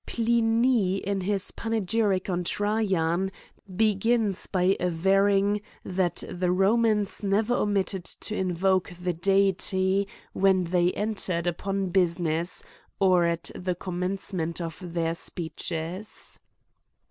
Pliny* in his panegyric on Trajan, begins by averring, that the Romans never omitted to in voke the Deity when they entered upon business, or at the commencement of their speeches.